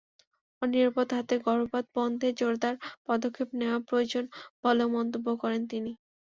অনিরাপদ হাতে গর্ভপাত বন্ধে জোরদার পদক্ষেপ নেওয়া প্রয়োজন বলেও মন্তব্য করেন তিনি।